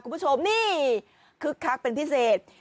คุณผู้ชมนี่คึกคักเป็นพิเศษ